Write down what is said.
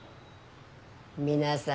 皆さん